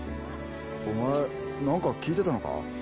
お前何か聞いてたのか？